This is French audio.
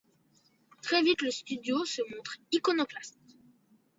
Très vite, le studio se montre iconoclaste.